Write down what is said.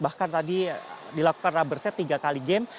bahkan tadi dilakukan rubber set tiga kali game